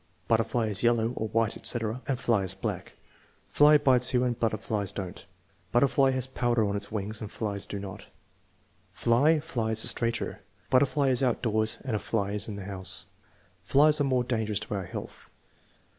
"Butterfly is yellow (or white, etc.) and fly is black." "Fly bites you and butterfly don't." "Butterfly has powder on its wings, fly does not." "Fly flies straighter." "Butterfly is outdoors and a fly is in the house." "Flies are more dangerous to our health."